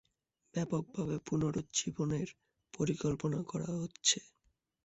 ব্যাপকভাবে পুনরুজ্জীবনের পরিকল্পনা করা হচ্ছে।